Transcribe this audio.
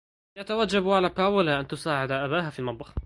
يتوجب على باولا أن تساعدَ أباها في المطبخ.